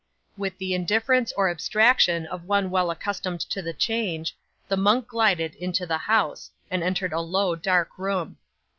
'With the indifference or abstraction of one well accustomed to the change, the monk glided into the house, and entered a low, dark room.